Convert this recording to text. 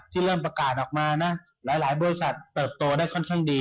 เริ่มประกาศออกมานะหลายบริษัทเติบโตได้ค่อนข้างดี